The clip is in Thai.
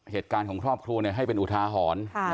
เหตุการณ์ของครอบครัวให้เป็นอุทาหรณ์